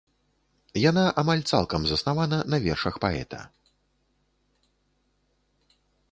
Яна амаль цалкам заснавана на вершах паэта.